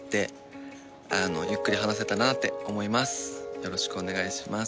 よろしくお願いします。